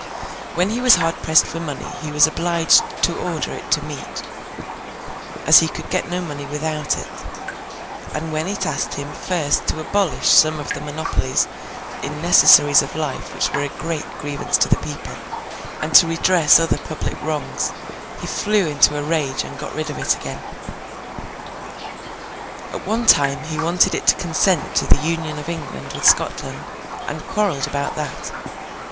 When he was hard pressed for money he was obliged to order it to meet, as he could get no money without it; and when it asked him first to abolish some of the monopolies in necessaries of life which were a great grievance to the people, and to redress other public wrongs, he flew into a rage and got rid of it again. At one time he wanted it to consent to the Union of England with Scotland, and quarrelled about that.